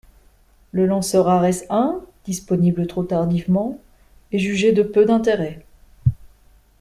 Le lanceur Ares I, disponible trop tardivement, est jugé de peu d'intérêt.